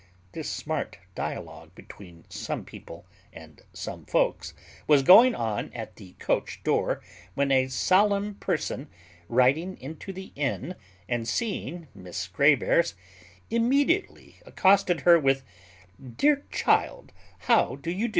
This smart dialogue between some people and some folks was going on at the coach door when a solemn person, riding into the inn, and seeing Miss Grave airs, immediately accosted her with "Dear child, how do you?"